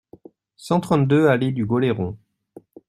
cent trente-deux allée du Goléron